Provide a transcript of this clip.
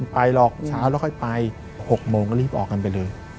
ไปหรอกเช้าแล้วค่อยไป๖โมงก็รีบออกกันไปเลย